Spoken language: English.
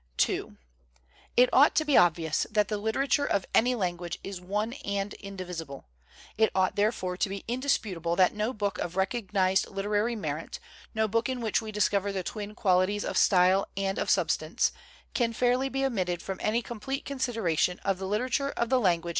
n IT ought to be obvious that the literature of any language is one and indivisible. It ought therefore to be indisputable that no book of recognized literary merit, no book in which discover the twin qualit lyle and of sub stance, can fairly be omitted from any complete consideration of the literature of the language WHAT IS AMERICAN LITERATURE?